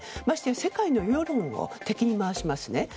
ましてや世界の世論を敵に回しますね。